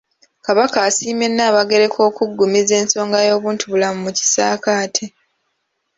Kabaka asiimye Nnaabagereka okuggumiza ensonga y'obuntubulamu mu kisaakaate.